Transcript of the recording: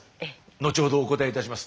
後ほどお答えいたします。